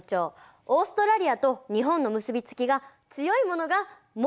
オーストラリアと日本の結び付きが強いものがもう一つあるんです。